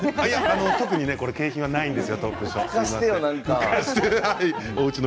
特に景品はないんですよ。